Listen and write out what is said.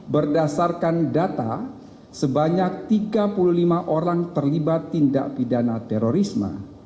berdasarkan data sebanyak tiga puluh lima orang terlibat tindak pidana terorisme